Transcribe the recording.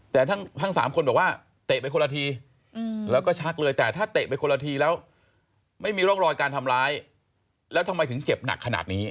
แต่ทั้ง๓คนบอกว่าเตะไปคนละทีแล้วก็ชักเลยแต่ถ้าเตะไปคนละทีแล้วไม่มีร่องรอยการทำร้ายแล้วทำไมถึงเจ็บหนักขนาดนี้